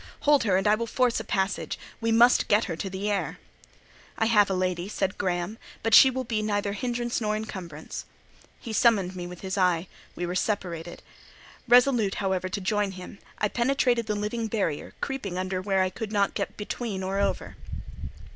"Hold her, and I will force a passage: we must get her to the air." "I have a lady," said Graham; "but she will be neither hindrance nor incumbrance." He summoned me with his eye: we were separated. Resolute, however, to rejoin him, I penetrated the living barrier, creeping under where I could not get between or over.